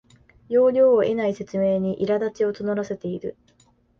要領を得ない説明にいらだちを募らせている